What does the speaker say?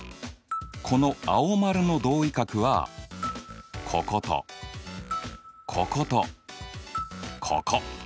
この青丸の同位角はこことこことここ。